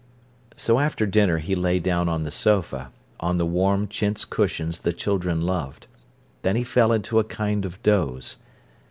So after dinner he lay down on the sofa, on the warm chintz cushions the children loved. Then he fell into a kind of doze.